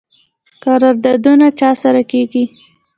قراردادونه چا سره کیږي؟